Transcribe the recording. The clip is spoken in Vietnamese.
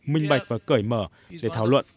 minh bạch và cởi mở để thảo luận